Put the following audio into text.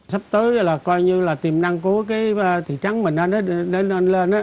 sắp tới là coi như là tiềm năng của cái thị trắng mình lên đó